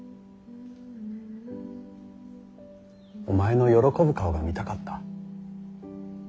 お前の喜ぶ顔が見たかった。